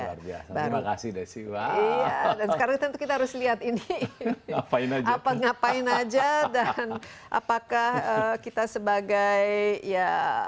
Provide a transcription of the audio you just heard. terima kasih desi sekarang kita harus lihat ini ngapain aja dan apakah kita sebagai ya